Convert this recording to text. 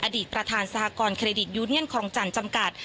อดีตประธานสหกรณเครดิตยูเนียนคลองจันทร์จำกัด